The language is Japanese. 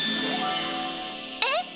えっ？